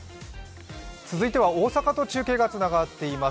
続いては大阪と中継がつながっています。